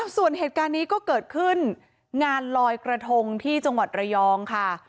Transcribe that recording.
ส่วนเหตุการณ์นี้ก็เกิดขึ้นงานลอยกระทงที่จังหวัดระยองค่ะ